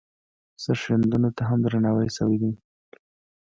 سرښندنو ته هم درناوی شوی دی.